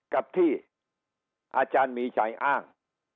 กับที่อาจารย์มีชัยอ้าง